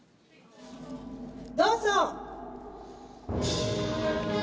どうぞ。